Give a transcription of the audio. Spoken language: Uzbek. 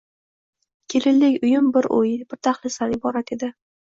Kelinlik uyim bir uy, bir dahlizdan iborat edi